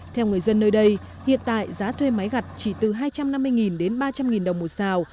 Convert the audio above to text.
theo người dân nơi đây hiện tại giá thuê máy gặt chỉ từ hai trăm năm mươi đến ba trăm linh đồng một xào